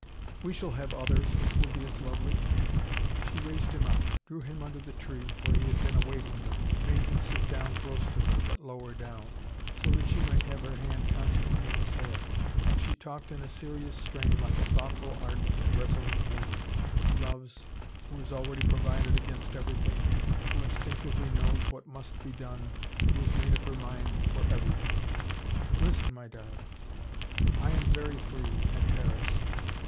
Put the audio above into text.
"We shall have others which will be as lovely." She raised him up, drew him under the tree, where he had been awaiting her, made him sit down close to her, but lower down, so that she might have her hand constantly in his hair; and she talked in a serious strain, like a thoughtful, ardent, and resolute woman, who loves, who has already provided against everything, who instinctively knows what must be done, who has made up her mind for everything. "Listen, my darling. I am very free at Paris.